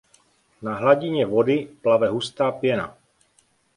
Na hladině vody plave hustá pěna.